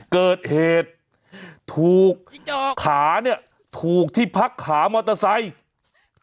เกิดเหตุถูกขาเนี่ยถูกที่พักขามอเตอร์ไซค์